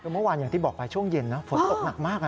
คือเมื่อวานอย่างที่บอกไปช่วงเย็นนะฝนตกหนักมาก